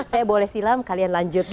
saya boleh silam kalian lanjut